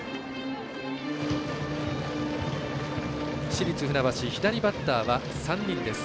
市立船橋、左バッターは３人です。